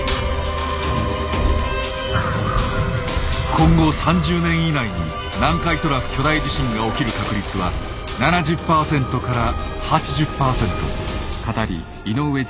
今後３０年以内に南海トラフ巨大地震が起きる確率は７０％から８０％。